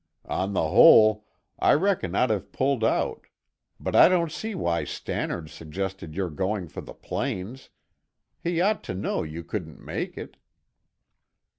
On the whole, I reckon I'd have pulled out. But I don't see why Stannard suggested your going for the plains. He ought to know you couldn't make it."